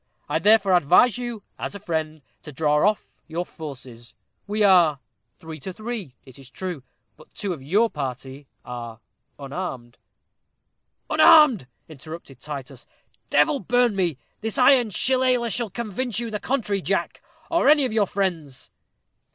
I therefore advise you, as a friend, to draw off your forces. We are three to three, it is true; but two of your party are unarmed." "Unarmed!" interrupted Titus. "Devil burn me! this iron shillelah shall convince you to the contrary, Jack, or any of your friends."